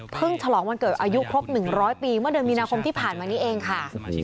ฉลองวันเกิดอายุครบ๑๐๐ปีเมื่อเดือนมีนาคมที่ผ่านมานี้เองค่ะ